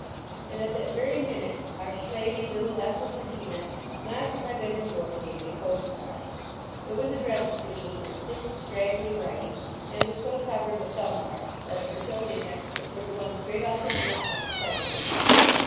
And at that very minute our slavey, little Ethelbertina, knocked at my bedroom door and gave me a postcard. It was addressed to me in thick, straggly writing, and was so covered with thumb marks that a Bertillon expert would have gone straight off his nut at the sight of it.